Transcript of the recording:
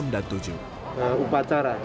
dan tujuh upacara